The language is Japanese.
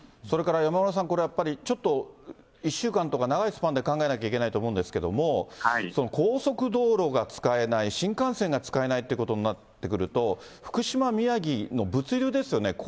それから山村さん、これやっぱりちょっと、１週間とか、長いスパンで考えなきゃいけないと思うんですが、高速道路が使えない、新幹線が使えないっていうことになってくると、福島、宮城の物流ですよね。